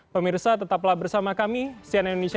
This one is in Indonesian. pemirsa tetaplah bersama kami sian indonesia